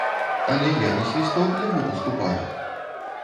Але я не свісток для выпуску пары.